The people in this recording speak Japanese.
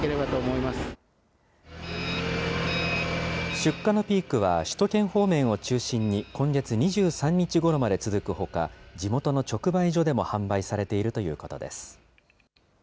出荷のピークは首都圏方面を中心に、今月２３日ごろまで続くほか、地元の直売所でも販売されているということです。